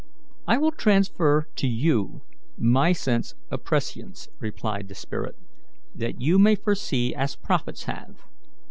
"I will transfer to you my sense of prescience," replied the spirit, "that you may foresee as prophets have.